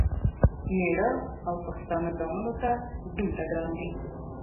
مېړه او پښتانه ځامنو ته دومره ګران دی،